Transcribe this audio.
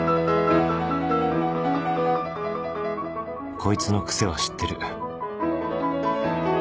こいつの癖は知ってる